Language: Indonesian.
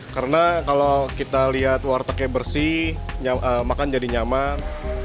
karena kalau kita lihat wartegnya bersih makan jadi nyaman